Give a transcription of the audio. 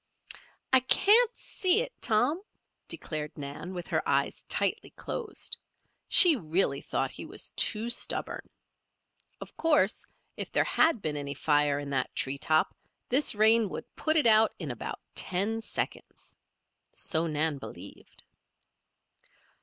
"I can't see it, Tom," declared Nan, with her eyes tightly closed. She really thought he was too stubborn. Of course, if there had been any fire in that tree top, this rain would put it out in about ten seconds. So Nan believed.